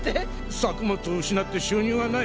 作物を失って収入がない。